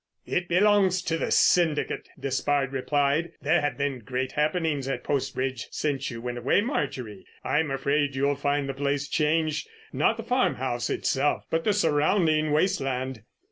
"It belongs to the syndicate," Despard replied. "There have been great happenings at Post Bridge since you went away, Marjorie. I'm afraid you'll find the place changed—not the farmhouse itself, but the surrounding waste land."